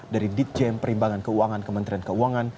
dari ditjen perimbangan keuangan kementerian keuangan